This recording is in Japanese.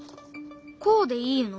こうでいいの？